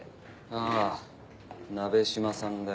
ああ鍋島さんだよ。